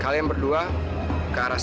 kalian berdua ke arah sana